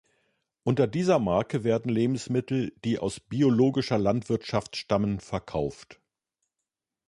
Unter dieser Marke werden Lebensmittel, die aus Biologischer Landwirtschaft stammen, verkauft.